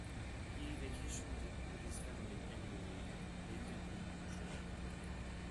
He vacationed with his family annually at Baden in Germany.